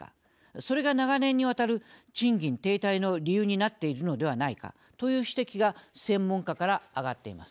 それが、長年に渡る賃金停滞の理由になっているのではないかという指摘が専門家から上がっています。